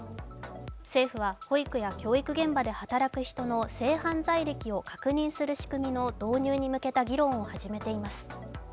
政府は、保育や教育現場で働く人の性犯罪歴を確認する仕組みの導入に向けた議論を始めています。